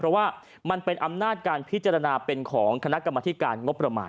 เพราะว่ามันเป็นอำนาจการพิจารณาเป็นของคณะกรรมธิการงบประมาณ